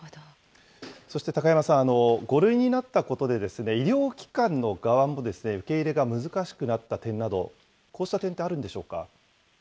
そして高山さん、５類になったことで医療機関の側もですね、受け入れが難しくなった点など、こうした点ってあるんでしょうか。